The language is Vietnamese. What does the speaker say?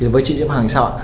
với chị diễm hoàng thì sao ạ